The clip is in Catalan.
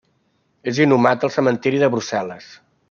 És inhumat al cementiri de Brussel·les.